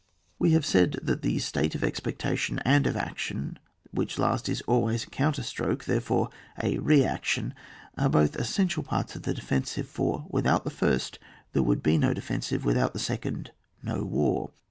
We have said, that the state of expecta tion and of action — which last is always a counterstroke, therefore a reaction — are both essential parts of the defensive ; for without the first, there would be no de fensive, without the second no war.